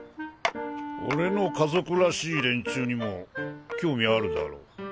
俺の家族らしい連中にも興味あるだろ？